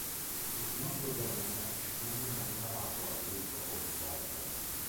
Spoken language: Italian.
Ed il nostro giovane esercito non era preparato ad un urto così forte.